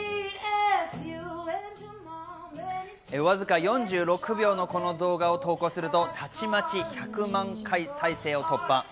わずか４６秒のこの動画を投稿すると、たちまち１００万回再生を突破。